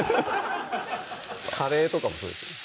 カレーとかもそうですね